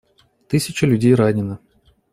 Тысячи людей ранены.